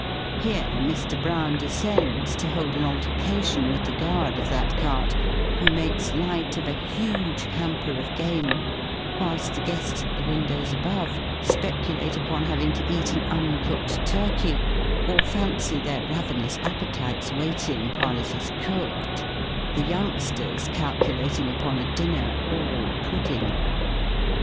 Here Mr. Brown descends, to hold an altercation with the guard of that cart, who makes light of a huge hamper of game; whilst the guests at the windows above, speculate upon having to eat an uncooked turkey, or fancy their ravenous appetites waiting while it is cooked the youngsters calculating upon a dinner all pudding.